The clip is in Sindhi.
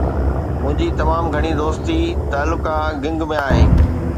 منهنجي تمام گهڻي دوستي تعلقه گنگ ۾ آهي.